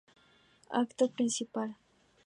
Acto principal